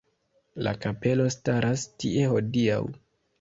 La kapelo staras tie hodiaŭ.